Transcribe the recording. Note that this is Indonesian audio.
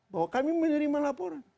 bahwa kami menerima laporan